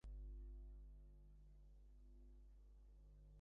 আল কায়েদার সঙ্গে ইরাকের গোপন এক গভীর যোগাযোগ রয়েছে।